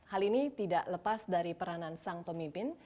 hal ini tidak lepas dari peranan sang pemimpin